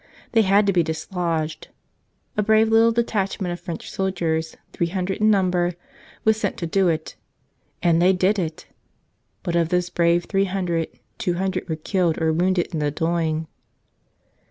They had to be dislodged. A brave little detachment of French soldiers, three hundred in number, was sent to do it. And they did it! But of those brave three hun¬ dred two hundred were killed or wounded in the doing.